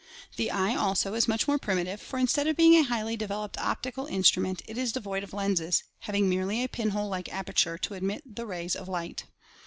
The eye also is much more primitive, for instead of being a highly developed optical in strument, it is devoid of lenses, having merely a pinhole like aperture to admit the rays of light.